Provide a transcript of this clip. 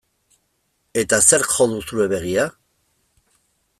Eta zerk jo du zure begia?